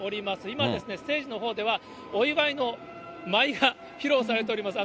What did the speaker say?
今、ステージのほうでは、お祝いの舞が披露されております。